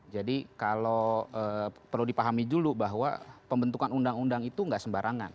jadi kalau perlu dipahami dulu bahwa pembentukan undang undang itu tidak sembarangan